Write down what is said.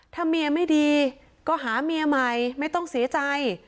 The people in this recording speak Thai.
ถ้าเมียไม่ดีก็หาเมียใหม่ไม่ต้องเสียใจ